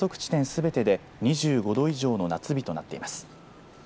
すべてで２５度以上の夏日となっています。